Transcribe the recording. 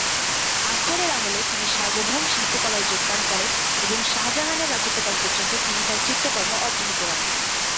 আকবরের আমলে তিনি সার্বভৌম শিল্পকলায় যোগদান করেন ও শাহজাহানের রাজত্বকাল পর্যন্ত তিনি তাঁর চিত্রকর্ম অব্যাহত রাখেন।